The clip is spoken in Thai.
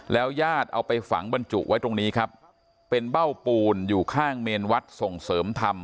ญาติเอาไปฝังบรรจุไว้ตรงนี้ครับเป็นเบ้าปูนอยู่ข้างเมนวัดส่งเสริมธรรม